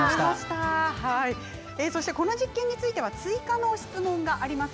そしてこの実験については追加の質問があります。